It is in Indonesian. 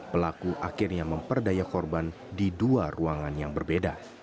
pelaku akhirnya memperdaya korban di dua ruangan yang berbeda